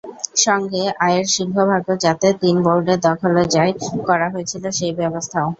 সঙ্গে আয়ের সিংহভাগও যাতে তিন বোর্ডের দখলে যায়, করা হয়েছিল সেই ব্যবস্থাও।